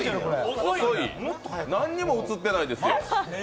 何も写ってないですよ。